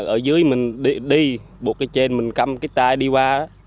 ở dưới mình đi bụt cái trên mình cầm cái tay đi qua